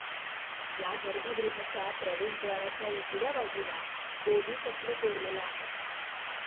या गर्भगृहाच्या प्रवेशद्वाराच्या उजव्या बाजूला बोधिसत्व कोरलेला आहे.